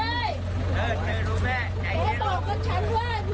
เฮ้ยบอกกับฉันว่าหล่อลูกจะเจ็บหรือจะโกรธ